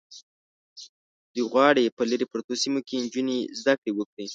دوی غواړي په لرې پرتو سیمو کې نجونې زده کړې وکړي.